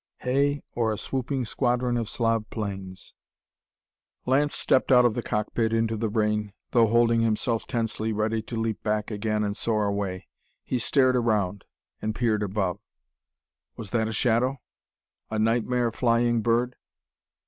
Hay, or a swooping squadron of Slav planes? Lance stepped out of the cockpit into the rain, though holding himself tensely ready to leap back again and soar away. He stared around, and peered above. Was that a shadow? a nightmare flying bird?